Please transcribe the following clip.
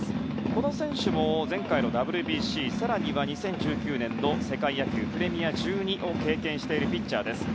この選手も前回のＷＢＣ更には２０１９年の世界野球プレミア１２を経験しているピッチャーです。